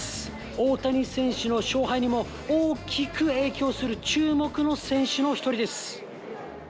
大谷選手の勝敗にも大きく影響する、注目の選手の一人です。